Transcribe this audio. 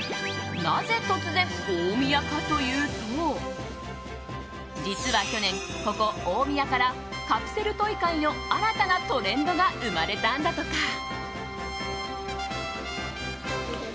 なぜ突然、大宮かというと実は去年、ここ大宮からカプセルトイ界の新たなトレンドが生まれたんだとか。